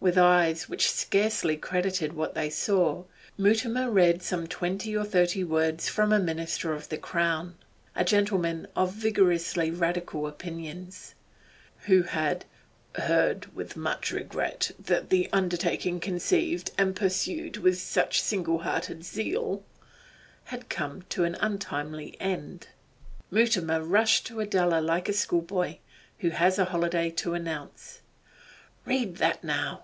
With eyes which scarcely credited what they saw Mutimer read some twenty or thirty words from a Minister of the Crown, a gentleman of vigorously Radical opinions, who had 'heard with much regret that the undertaking conceived and pursued with such single hearted zeal' had come to an untimely end. Mutimer rushed to Adela like a schoolboy who has a holiday to announce. 'Read that now!